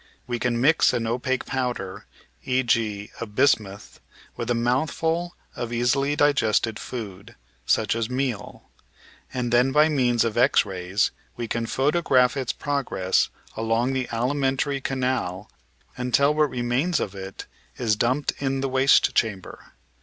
We can mix an opaque powder, e.g. of bismuth, with a mouthful of easily digested food (such as meal), and then by means of X rays we can photograph its progress along the alimentary canal until what remains of it is dumped in the waste chamber.